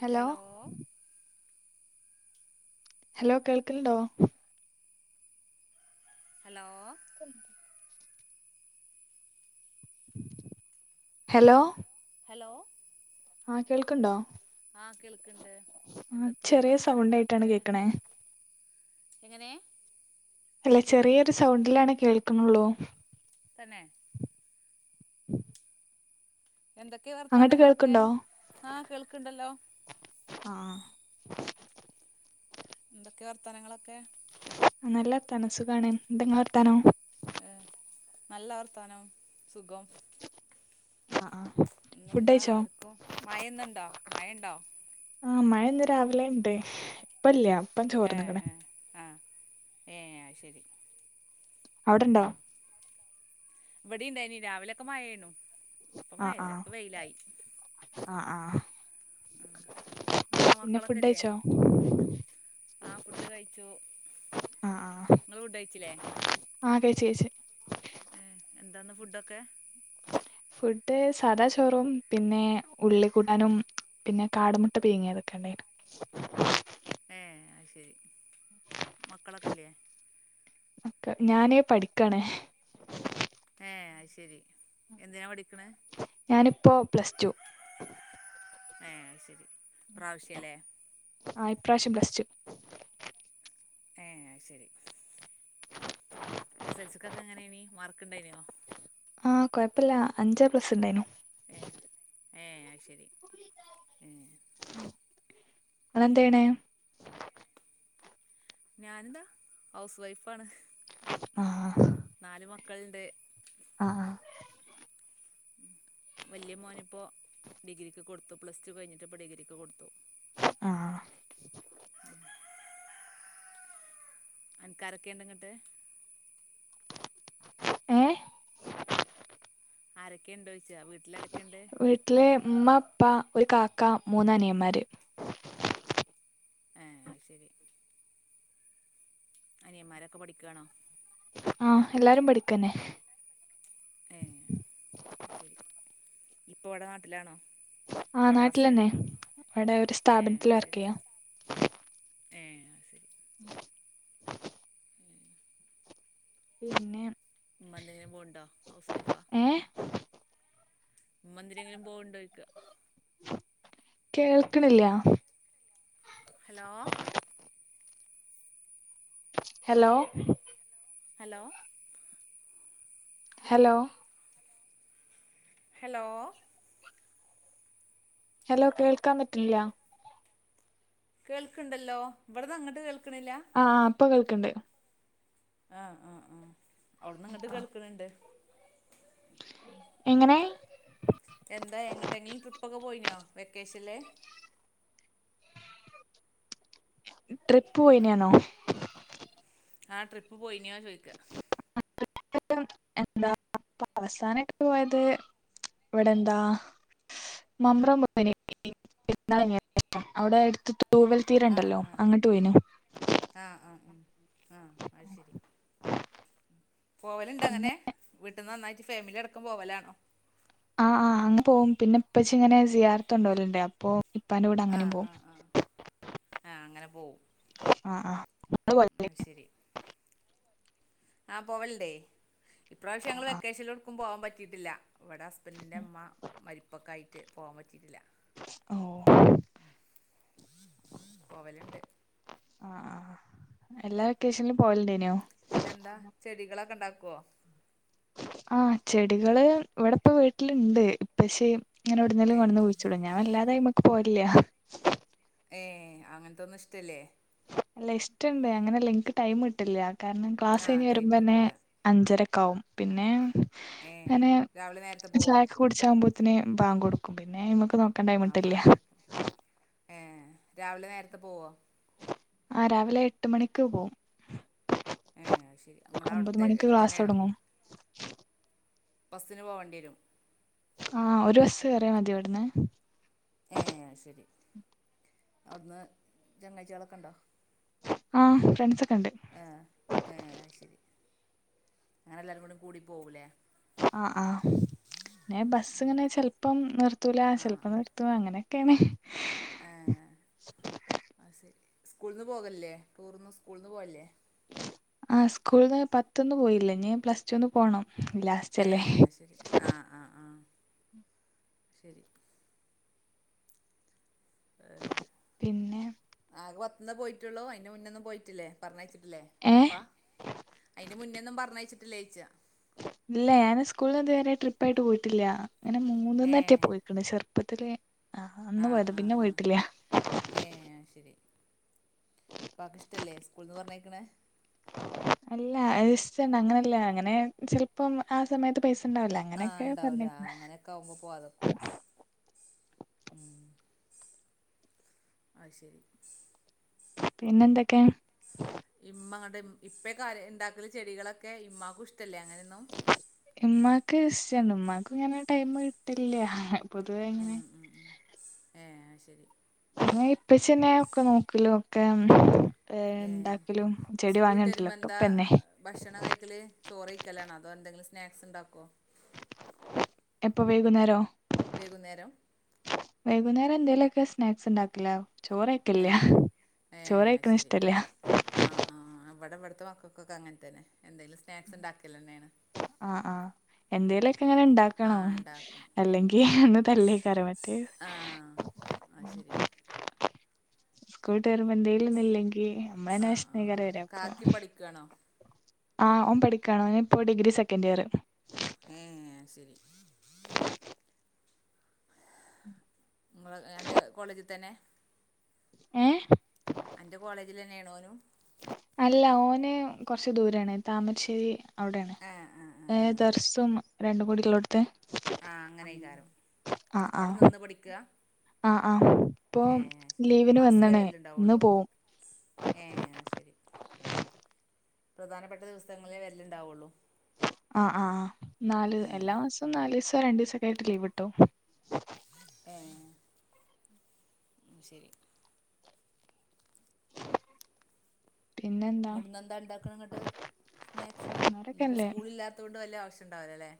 Hello hello കേൾക്കലണ്ടോ hello ത [unintelligible] hello hello ആ കേൾക്കണ്ടോ ആ കേൾക്കണ്ട് ആ എന്തൊക്കെയ ചെറിയ സൗണ്ട് ആയിട്ടാണ് വർത്തനങ്ങളൊക്കെ കേൾക്കണേ എങ്ങനെ അല്ല ചെറിയൊരു സൗണ്ടിലാണ് കേൾക്കുന്നുള്ളൂ തന്നെ [unintelligible] എന്തൊക്കെയ അങ്ങോട്ട് വർത്താനങ്ങളൊക്കെ കേൾക്കണ്ടോ ആ കേൾക്കണ്ടല്ലോ ആ എന്തൊക്കെ വർത്തനങ്ങളൊക്കെ നല്ല തനസുഖാണ് എന്തെങ്ങാർത്തനോ ഏഹ് നല്ല വർത്തനവും സുഖം ആ ആ ഫുഡ് ഇെന്താ കഴിച്ചോ ആർക്കും മഴന്ന ഇണ്ടോ മഴ ഇണ്ടോ ആ മഴ ഇന്ന് രാവിലെ ഉണ്ട് ഇപ്പല്ല അപ്പ ചോർന്നക്കണ ഏ ശരി അവിടെണ്ടോ ഇവിടെന്ത ഇനി രാവിലെൊക്കെ മഴേണു അപ്പ ആ ആ മഴല്ല ഇപ്പ വെയിലായി ആ ആ പിന്നെ ഫുഡ് കഴിച്ചോ ആ ഫുഡ് കഴിച്ചു ആ ആ നിങ്ങള് ഫുഡ് കഴിച്ചില്ലേ ആ കഴിച്ച് എന്താാണ് ഫുഡൊക്കെ ഫുഡ് സാദാ ചോറും പിന്നെ ഉള്ള കൂടാനും പിന്നെ കാടുമുട്ട പീങ്ങിയതൊക്കെ ഉണ്ട് അയ്ശരി മക്കളൊക്കെല്ല്യ? ക്കെ ഞാന് പഠിക്കാണ്. ഏ അത് ശരി എന്തിനാ പഠിപ്പി ഞാനിപ്പോ പ്ലസ് ടു ഏ അഅ് ശരി ഇപ്രാവശ്യല്ലേ? അ ഇപ്രാവശ്യം പ്ലസ് ടൂ ഏ അഹ്ശരി. എസ് എൽ സിക്കൊക്കെ എങ്ങനെയനി മാർക്ക് ഇണ്ടായിനോ ആഹ കൊഴപ്പില്ല അഞ്ച് എ പ്ലസ് ഉണ്ടായിനു. ഏ ഏ അയിശരി ഏ ഇങ്ങളെന്തെയ്യണെ ഞാനെന്താ ഹൗസ് വൈഫാണ്. ആ മക്കളണ്ട്. ആഹ വല്യ മോനിപ്പോ ഡിഗ്രിക്ക് കൊടുത്തു പ്ലസ് ടു കഴിഞ്ഞിട്ട്പ്പോഡിഗ്രിക്ക് കൊടുത്തു. ആ അനക്കാരൊക്കെണ്ട് ഇങ്ങട്ട് ഏ ആരൊക്കെ ഇണ്ടോയ് വീട്ടില്മ്മ ഉപ്പ ഒരു കാക്ക മൂന്നാനിയന്മാര്. ആ ശരി. അനിയന്മാരൊക്കെ പഠിക്കാണോ? ആഹ എല്ലാരും പഠിക്കന്നെ ഏ ഇപ്പ ഇവിടെ നാട്ടിലാണോ? ആ പ്രവാസിയാ നാട്ടിലന്നെ ഇവിടെ ഒരു ഏ സ്ഥാപനത്തിൽ വർക്ക് ശരി ചെയ്യാ. ഏ [inaudible] പിന്നെ ഉമ്മന്തെങ്ങനെപോണ്ടോ? ഹൗസ് വൈഫാ ഏ ഉമ്മന്തെങ്കിലും പോവണ്ടോയിക്ക. കേൾക്ക്ണില്ല. Hello hello hello hello hello hello കേൾക്കാൻ പറ്റില്ലാ കേൾക്കണ്ടല്ലോ ഇവിടന്ന് അങ്ങിട്ട് കേൾക്കണില്ല. ഇപ്പ കേൾക്കണ്ട് ആ ആ ആ അവിടന്ന് ഇങ്ങട്ട് കേൾക്കണ്‌ണ്ട്. എങ്ങനെ? വെക്കേഷനിലെ ട്രിപ്പ് പോയിനാണോ? ആ ട്രിപ്പ് പോയിനോ ചോയിക്ക? എന്താ അപ്പ അവസാനയിട്ട് പോയത് ഇവിടെ എന്താ മമ്പ്രം പോയിനി പെരുന്നാള്ഞ്ഞ് അവിടെ എടുത്തട്ട് തൂവൽ ആ തീരണ്ടല്ലോ ആ ആ അങ്ങട്ട് പോയിനു ആ ആ ഉം ആ അത് ശരി പിന്നെ പോവലുണ്ടങ്ങനെ വീട്ടനോന്നായി ഫാമിലി അടക്കം പോവലാണോ ആ ആ അങനേ പോവും പിന്നെ ഇപ്പച്ചിങ്ങനെ സിയാറത്ത്കൊണ്ടോലിണ്ടെ അപ്പൊ ഇപ്പാന്റെ കൂടെ അങ്ങനെം ആഹ് പോവും ആഹ് ആഹ് ആഹ് ആ ആ ഇങ്ങള് പോയോ അയ്ശരി ആ പോവലണ്ടേ ഇപ്രാവശ്യം ഞങ്ങള് ആ വെക്കേഷനിൽ എവ്ടുക്കും പോവാൻ പറ്റിയിട്ടില്ല ഇവിടെ ഹസ് ബൻ്റിൻ്റെമ്മ മരിപ്പൊക്കായിട്ട് പോവാൻ പറ്റിയിട്ടില്ല ഓ പോവല്ണ്ട് ആ ആ എല്ലാ വൊക്കേഷനിലും പോവല്ണ്ടേയ്നോ പിന്നെന്താ ചെടികളൊക്കെണ്ടാക്കോ ആ ചെടികള് ഇവിടെപ്പം വീട്ടിലുണ്ട് പക്ഷേ ഇങ്ങനെ എവിടെന്നെലും ഏഹ് കൊണ്ടന്ന് കുഴിച്ചിടും ഞാൻ വല്ലാതയ്മക്ക് പോവലില്ല ഏ അങ്ങനത്തൊന്നും ഇഷ്ട്ടല്ല്യേ അല്ല ഇഷ്ട്ടണ്ട് അങ്ങനെല്ല ഇന്ക്ക് ടൈം കിട്ടല്ല കാരണം ക്ലാസ് ആഹ് കഴിഞ്ഞ് ടൈം വരുമ്പന്നെ കിട്ടൂല അഞ്ചര ക്കാവും പിന്നെ ഏഹ് അങ്ങനെ രാവിലെ നേരത്തെ പോവോ ചായക്കെ കുടിച്ചാകുമ്പോ ത്തിന് ബാങ്ക് കൊടുക്കും പിന്നെ അയ്മക്ക് നോക്കാൻ ടൈമ്ട്ടല്ല ഏ രാവിലെ നേരത്തെ പോവോ ആ രാവിലെ എട്ട് മണിക്ക് പോവും ഏ ശെരി ഒമ്പത് നമ്മളവിടുത്തെ മണിക്ക് ക്ലാസ് എടുത്തന്നെയാണോ തൊടങ്ങും ബസ്സിന് പോവേണ്ടി വരും ആ ഒരു ബസ്സ് കറിയ മതി ഇവിടന്ന് ഏ ശരി അവിടുന്ന് ചങ്ങാഴ്ച്ചിയാളൊക്കെ ഉണ്ടോ ആ ഫ്രണ്ട്സോക്കെണ്ട് ഏഹ് ഏഹ് അത് ശരി അങ്ങനെ എല്ലാരും കൂടി കൂടി പോവുലേ ആ ആ പിന്നെ ബസ്സിങ്ങനെ ചെലപ്പം നിർത്തൂല ആഹ് ചെിലപ്പം ആഹ് നിർത്തും അങ്ങനെയൊക്കെണ് സ്കൂളിൾന്ന് പോകല്ലേ ടൂറിന് സ്കൂളിൽന്ന് പോവല്ലേ ആ സ്കൂളിൽന്ന് പത്ത്ന്ന് പോയില്ലനീ പ്ലസ് ടുന്ന് പോണം ഏ ലാസ്റ്റല്ലേ ശരി ആ ആ ആ ശരി പിന്നെ ന്ന് പോയിട്ടുള്ളോ അതിന് മുന്നെന്നും പോയിറ്റില്ലെ പറഞ്ഞയച്ചി ഏ ല്ലേപ്പാ അയിന്റെ മുന്നേന്നും പറഞ്ഞയച്ചിട്ടില്ലേ യ്ച്ച ഇല്ല ഞാന് സ്കൂൾന്ന് ഇത് വരെ ട്രിപ്പായിട്ട് പോയിട്ടില്ല ഇങ്ങനെ മൂന്ന്നേറ്റ ഏഹ് പോയിക്കണ് ചെറു പ്പത്തില് ആ അന്ന് ആഹ് പോയത ആഹ് പിന്നെ പോയിട്ടില്ല പ്പാക്ക് ഇഷ്ടല്ലേ സ്കൂൾന്ന് പറഞ്ഞേക്കണേ അല്ല അയിഷ്ട്ടണ്ട് അങ്ങനെയല്ല അങ്ങനെ ചിലപ്പം ആ സമയത്ത് പൈസ ഉണ്ടാവില്ല ആ അങ്ങനെയൊക്കെ ഉണ്ടാവൂല ആ പറഞ്ഞിരുന്നു അങ്ങനെയൊക്കെ ആകുമ്പോ പോവാതൊക്കും ഉം അ ശരി പിന്നെന്തൊക്കെ ഇമ്മങ്ങട്ട് ഇപ്പെക്ക ഉണ്ടാക്കല് ചെടികളൊക്കെ ഇമ്മാക്കുഷ് ഉമ്മാക്ക് ഇഷ്ടണ്ട് ഉമ്മാക്കും ഇങ്ങനെ ടൈമ് കിട്ടലില്ല പൊതുവേ എങ്ങനെ ഉം ഉം ഏ ശരി അ ഇപ്പച്ചിയെന്നെ ഒക്കെ നോക്കലോക്കെ ഏ സ്കൂൾട്ട് ഒക്കെ വരുമ്പോന്താ ഇപ്പന്നെ ഭക്ഷണം കഴിക്കല് ചോറയ്ക്കലാണോ അതോ എന്തെങ്കിലും സ് സ്നാക്സ്ണ്ടാക്കോ എപ്പൊ വൈകുന്നേരോ വൈകുന്നേരം വൈകുന്നേരം എന്തേലൊക്കെ സ്നാക്സ്ണ്ടാക്കല ഏ ചോറയ്ക്കല്ല ഏ ചോറയ്ക്കണെ ശരി ഇഷ്ടല്ല ആ ആ ഇവിടെ ഇവിടുത്തെ മക്കൾക്കൊക്കെ അങ്ങൻ തന്നെ എന്തേലും സ്നാക്സ് ണ്ടാക്കല്ലന്നെണ് ആ ആ എന്തേലുക്കെ ങ്ങനെ ആ ണ്ടാക്കണോം ഉണ്ടാക്കും എല്ലെങ്കി അന്ന് തല്ലേക്കാരും മറ്റേ അ ശരി സ്കൂൾട്ട് രുമ്പോന്തേലൊന്നില്ലെങ്കി ആ മ്മളെന്നെ ആ വെഷന് വരെകാര അപ്പൊ കാക്കിയും പഠിക്കുവാണോ ആഹ് ഓൻ പഠിക്കണോ ഓനിപ്പോ ഡിഗ്രി സെക്കൻഡിയർ [inaudible] ങ്ങള് അന്റെ കോളേജി തന്നെ ഏ കോളേജിലെന്നെണോനും അല്ല ഓന് കൊർച്ച്‌ ദൂരാണ് താമരശ്ശേരി അവിടെയാണ് ആ ആ ആ ഏ ആ ദർസും രണ്ടും കുടിള്ളോട്ത്ത് ആഹ അങ്ങനെകാരം അവ്ടെ നിന്ന് പഠിക്കാ ആഹ ആ ഇപ്പൊ ലീവിന് മാസത്തിലേ വന്ന്ണ് ഇപ്പൊ വരലുണ്ടാവുള്ളൂ പോവും ഏ ശരി പ്രധാനപ്പെട്ട ദിവസങ്ങളിലേ വരലുണ്ടാവുള്ളു ആഹ നാല് എല്ലാ മാസും നാലീസോ രണ്ടു ദിവസൊക്കെ ആയിട്ട് ലീവ് കിട്ടും ഏ ഉ ശരി പിന്നെന്താ ഇന്നെന്താ ണ്ടാക്കണ് ഇങ്ങട്ട് സ്നാക്സിന് ഇന്നിപ്പോ പിള്ളാരൊക്കെല്ലേ സ്കൂളി ഇല്ലാതോണ്ട് വല്ല്യെ ആവശ്യ ണ്ടാവൂലല്ലേ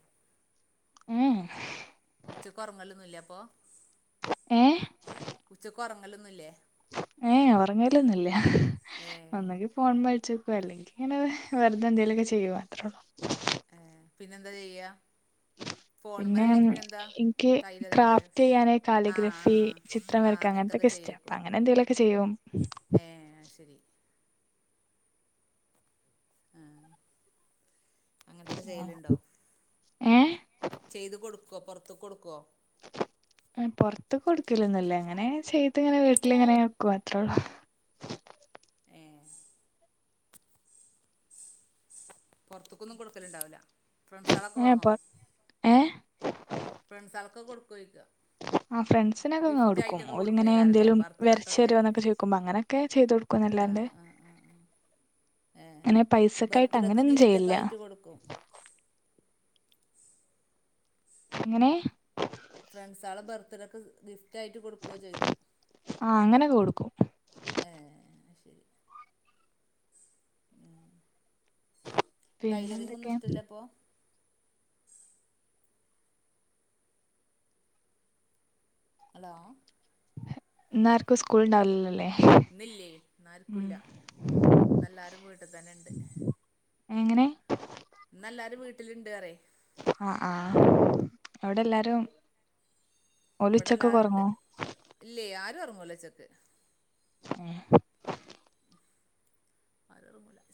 ഉം അപ്പോ ച്ചക്ക് ഒറങ്ങലൊന്നുംല്ലേ ഏയ് ഒറങ്ങലൊന്നില്ല ഏ ഒന്നങ്കി ഫോൺ മേകളിച്ചു അല്ലെങ്കി അങ്ങനെ വെറുത എന്തേലുഒക്കെ ചെയ്യും ത്രേള്ളൂ ഏ പിന്നെന്താ ചെയ്യാ പിന്നെ ഇൻക്ക് ടൈലറിങ് അറിയാം ക്രാഫ്റ്റ് ചെയ്യാന് ആ ആ കാലിയോഗ്രഫി ചിത്രം ആ ആ വരക്കാ അങ്ങനെ അങ്ങനത്തൊക്കെ അങ്ങൻത്തൊക്കെഷ്ട്ട അപ്പൊ ചെയ്യേക്കും അങ്ങനെ എന്തെലുഒക്കെ ചെയ്യും ഏ ശരി അങ്ങൻത്തൊക്കെ ആ. ചെയ്യലുണ്ടോ ഏ ചെയ്ത് കൊടുക്കുവോ പൊർത്ത്കൊടുക്കുവോ പൊർത്ത് കൊടുക്കലന്നില്ല അങ്ങനെ ചെയ്ത് ഇങ്ങനെ വീട്ടിലിങ്ങനെക്കുവാ [inaudible] ഏ പുൊറത്തക്കൊന്നും കൊടുക്കലുണ്ടാവുല്ല ഫ്രണ്ട്സ ആളൊക്കെ ഏ വങ്ങോ പൊ ഏ ഫെണ്ട്സൾകാ കൊടുക്ക ആ ഫ്രണ്ട്സിനൊക്കെങ് കൊട്ക്കുംഓല് ഇങ്ങെനെ എന്തെലും ബർത്ത്ഡേക്കൊക്കെ വരചെരുഓ ന്നൊകെ ചോയ്ക്കുമ്പോ അങ്ങനൊക്കെ ചെയ്ത കൊട്ക്കും ആ ക്കുന്നല്ലാണ്ട് ആ ആ ഏ അങ്ങെനെ പൈസക്കായിട്ട് ബർത്ത്ഡേക്ക് അങ്ങനൊന്നും ഗിഫ്റ്റ് ഒക്കെ ചെയലില്ല ആയിട്ട് കൊടുക്കും എങ്ങനെ ഫ്രണ്ട്സാളെ ബർത്ത് ഡേ ക്ക് ഗിഫ്റ്റ് റ്റായിട്ട് കൊടുക്കുവോ ചോയിക്ക ആ അങ്ങനൊക്കെ കൊടുക്കും ഏ പിന്നെ ടൈലറിങ്ങൊന്നും എന്തൊക്കെ ഇഷ്ടല്ല അപ്പൊ ഹലോ ഇന്നാർക്കും സ്കൂൾ ഉണ്ടാവില്ലല്ലോല്ലേ ഇന്നില്ലേ ന്നാർകുല്ല നല്ലാരും വീട്ട് തന്നെ ഉണ്ട് എങ്ങനെ നല്ലാരും വീട്ടിലിണ്ട് അറെയ് ആ് ആ അവിടെല്ലാരും ഇവിടെല്ലരുണ്ട് ഇല്ലേ ആരും ഒറങ്ങുല്ല ച്ചക്ക് ഉ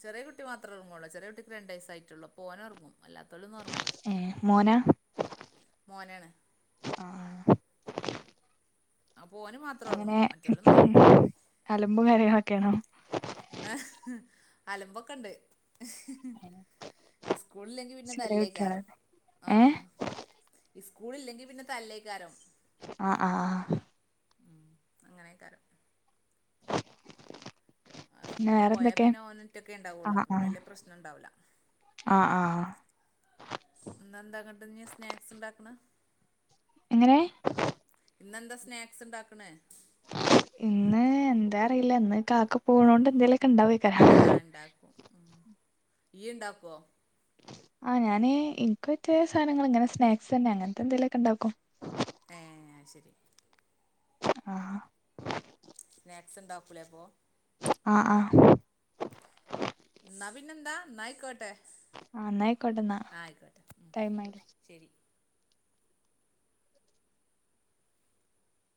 ചെറ്യേ കുട്ടി മാത്ര ർങ്ങോള്ളൂ ചെറിയ കുട്ടിക്ക് രണ്ട് വയസായിട്ടുള്ളൂ പോനൊർങ്ങും ല്ലാത്തോലൊന്നും ഉറങ്ങുലാ ഏ മോനാ മോനാണ് അപ്പോൾ ഓന് മാത്രം അങ്ങനെ ഉറങ്ങും മറ്റോലൊന്നും ഉറങ്ങൂല അലമ്പും കാര്യങ്ങളൊക്കെണോ ആഹ് അലമ്പൊക്കൊണ്ട് ഇസ്കൂളില്ലെങ്കി പിന്നെ ചെറിയ കുട്ടികള തല്ലേക്കാരം ആ ഏ സ്കൂളില്ലെങ്കിൽ പിന്നെ തല്ലേക്കാരം ആ ആ ഉം അങ്ങനെക്കാരം ആ പിന്നെ സ്കൂൾക്ക് വേറെന്തൊക്കെ പോയാപിന്നെ ഓനൊറ്റൊക്കെ ഉണ്ടാവുള്ളു അപ്പൊപിന്നെ വല്യപ്രശ്നംണ്ടാവൂല ഇന്നെന്താ അങ്ങോട്ടിനി സ്നാക്സ് ഉണ്ടാക്ക്ണ് എങ്ങനെ ഇന്നെന്താ സ്നാക്സ് ഉണ്ടാക്കണേ ഇന്ന് എന്താറീല്ലാ ഇന്ന് കാക്ക പോണോണ്ട് എന്തേലൊക്കെ ഇണ്ടാവേക്കാരം ഇയ്യൊണ്ടാക്കുവോ ആ ഞാന് ഇൻക്ക് പറ്റിയ സാധനങ്ങളിങ്ങനെ സ്നാക്സ് തന്നെ അങ്ങനത്തെന്തെങ്കിലൊക്കെ ഉണ്ടാക്കും ഏ ശെരി ആഹാ സ്നാക്സ് ഉണ്ടാക്കൂലെ അപ്പോ ആ ആ ന്നാ പിന്നെന്താ ന്നായ്ക്കോട്ടെ ആഹ ന്നൈകോട്ടന്ന ഉം ടൈമാ ശരി